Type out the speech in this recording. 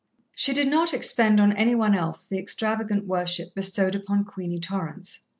She did not expend on any one else the extravagant worship bestowed upon Queenie Torrance.